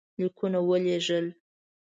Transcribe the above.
لیکونه ولېږل.